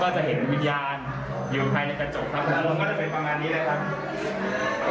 แล้วก็จะเห็นวิญญาณอยู่ใครในกระจกครับแล้วก็จะเป็นประมาณนี้แหละครับ